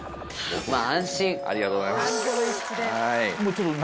まあ安心ありがとうございます